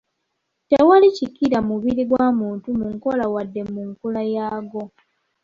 Tewali kikira mubiri gwa muntu mu nkola wadde mu nkula yaagwo .